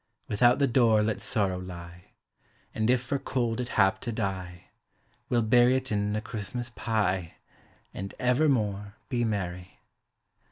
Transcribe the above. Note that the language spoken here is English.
Without the door let sorrow lie; And if for cold it hap to die, We'll bury 't in a Christmas pie, And evermore be merry.